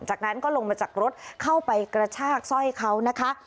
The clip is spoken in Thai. จากนั้นก็ลงมาจากรถเข้าไปกระชากสร้อยเขานะคะ